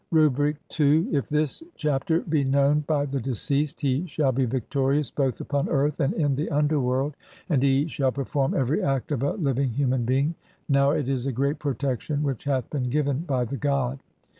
Rubric 1 : II. (i) if this chapter be known [by the deceased] he SHALL BE VICTORIOUS BOTH UPON EARTH AND IN THE UNDERWORLD, AND HE SHALL PERFORM EVERY ACT OF A LIVING HUMAN (2) BEING. NOW IT IS A GREAT PROTECTION WHICH [HATH BEEN GIVEN] BY THE GOD.